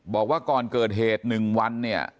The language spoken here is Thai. บอกว่าก่อนเกิดเหตุ๑วันเนี่ย